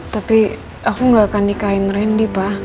tapi aku nggak akan nikahin randy pak